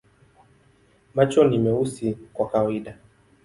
Macho ni meusi kwa kawaida.